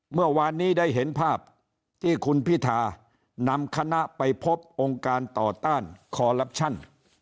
เมื่อวานนี้ได้เห็นภาพที่คุณพิธานำคณะไปพบองค์การต่อต้านคอลลับชั่น